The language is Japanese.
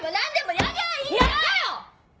やったよ！